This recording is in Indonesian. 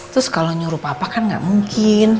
terus kalau nyuruh papa kan gak mungkin